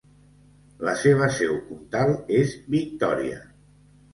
La seva seu comtal és Victòria.